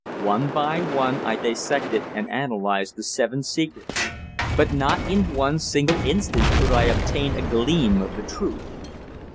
One by one I dissected and analysed the Seven Secrets, but not in one single instance could I obtain a gleam of the truth.